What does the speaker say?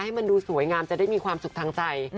ให้มันดูสวยงามจะได้มีความสุขทางใจ